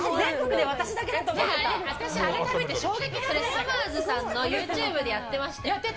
さまぁずさんのＹｏｕＴｕｂｅでやってましたよ。